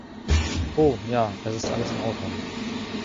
Oh, ja, es ist alles in Ordnung.